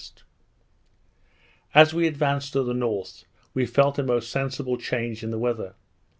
As we advanced to the north, we felt a most sensible change in the weather.